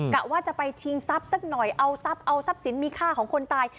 กะว่าจะไปชิงทรัพย์สักหน่อยเอาทรัพย์เอาทรัพย์สินมีค่าของคนตาย